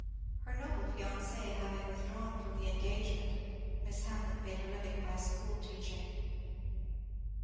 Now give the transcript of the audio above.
Her noble fianc^ having withdrawn from the engagement. Miss Hamlet made her living by school teaching.